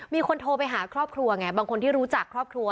มีคนโทรไปหาครอบครัวไงบางคนที่รู้จักครอบครัว